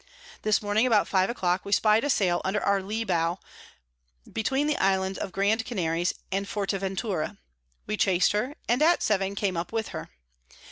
This Morning about five a clock we spy'd a Sail under our Lee Bow, between the Islands of Grand Canaries and Forteventura; we chas'd her, and at 7 came up with her.